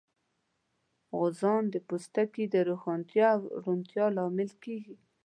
غوزان د پوستکي د روښانتیا او روڼتیا لامل کېږي.